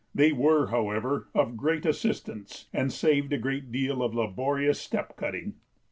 They were, however, of great assistance and saved a deal of laborious step cutting.